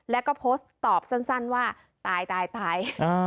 และก็ตอบสั้นว่าตายตายตาย